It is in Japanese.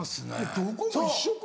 どこも一緒か。